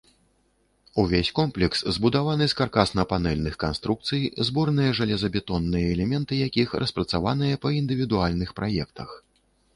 Увесь комплекс збудаваны з каркасна-панэльных канструкцый, зборныя жалезабетонныя элементы якіх распрацаваныя па індывідуальных праектах.